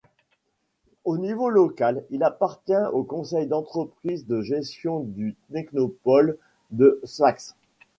Au niveau local, il appartient au conseil d'entreprise de gestion du technopôle de Sfax.